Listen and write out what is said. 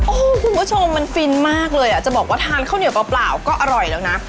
โอ้โหคุณผู้ชมมันฟินมากเลยอ่ะจะบอกว่าทานข้าวเหนียวเปล่าก็อร่อยแล้วนะ